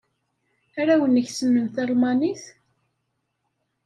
Arraw-nnek ssnen talmanit?